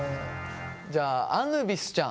じゃああぬビスちゃん。